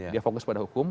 dia fokus pada hukum